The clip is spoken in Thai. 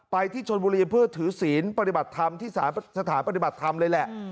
ที่ชนบุรีเพื่อถือศีลปฏิบัติธรรมที่สถานปฏิบัติธรรมเลยแหละ